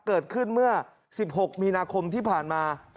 เกิดขึ้นเมื่อ๑๖มีนาคมที่ผ่านมา